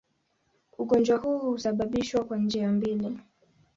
Ugonjwa huu husababishwa kwa njia mbili.